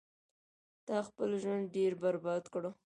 تا خپل ژوند ډیر برباد کړو